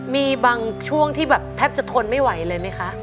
มีบางช่วงที่แบบแทบจะทนไม่ไหวเลยไหมคะ